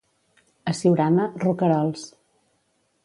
A Siurana, roquerols.